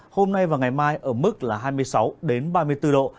hôm nay và ngày mai ở mức là hai mươi sáu ba mươi bốn độ